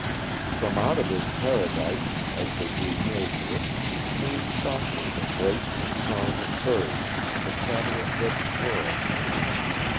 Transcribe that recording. From out of this paradise, as they drew near to it, came softly the voice and song of birds and the chatter of red squirrels.